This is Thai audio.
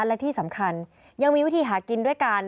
และที่สำคัญยังมีวิธีหากินด้วยกัน